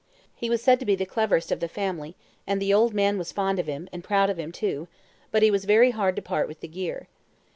He was said to be the cleverest of the family, and the old man was fond of him, and proud of him too, but he was very hard to part with the gear.